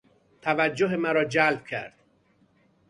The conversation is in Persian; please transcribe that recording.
توجه مرا جلب کرد.